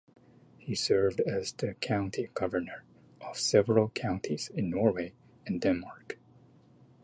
He served as the County Governor of several counties in Norway and Denmark.